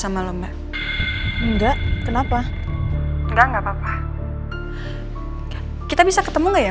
mama tidak mau papa cemas